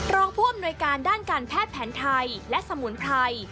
รองผู้อำนวยการด้านการแพทย์แผนไทยและสมุนไพร